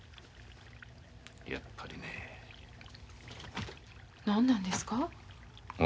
やっぱりねえ。何なんですか？